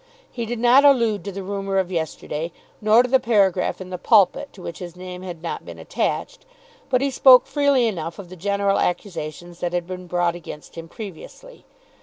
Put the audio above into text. He did not allude to the rumour of yesterday, nor to the paragraph in the "Pulpit" to which his name had not been attached; but he spoke freely enough of the general accusations that had been brought against him previously.